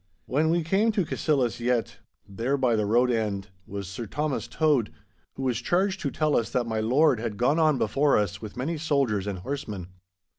When we came to Cassillis Yett, there by the road end was Sir Thomas Tode, who was charged to tell us that my lord had gone on before us with many soldiers and horsemen.